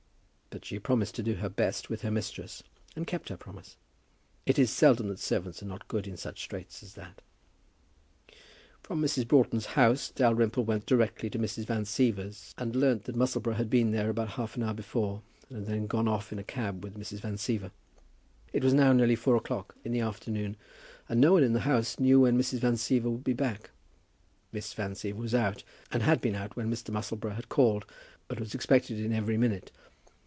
But she promised to do her best with her mistress, and kept her promise. It is seldom that servants are not good in such straits as that. From Mrs. Broughton's house Dalrymple went directly to Mrs. Van Siever's, and learned that Musselboro had been there about half an hour before, and had then gone off in a cab with Mrs. Van Siever. It was now nearly four o'clock in the afternoon, and no one in the house knew when Mrs. Van Siever would be back. Miss Van Siever was out, and had been out when Mr. Musselboro had called, but was expected in every minute.